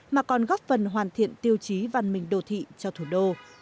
mà còn góp phần hoàn thiện tiêu chí văn minh đô thị cho thủ đô